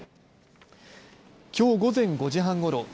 きょう午前５時半ごろ